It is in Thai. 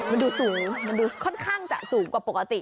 มันดูสูงมันดูค่อนข้างจะสูงกว่าปกติ